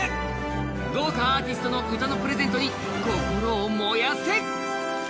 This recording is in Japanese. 豪華アーティストの歌プレゼントに心を燃やせ！